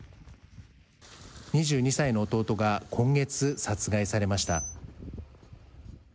２２歳の弟が今月、殺害されました。